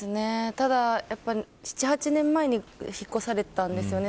ただ７、８年間に引っ越されたんですよね。